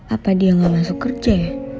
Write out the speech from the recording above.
apa dia gak masuk kerja ya